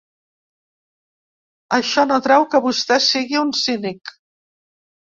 Això no treu que vostè sigui un cínic.